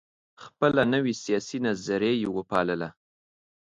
خپله نوي سیاسي نظریه یې وپالله.